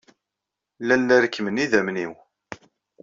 Llan la rekkmen yidammen-inu.